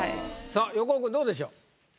さあ横尾くんどうでしょう？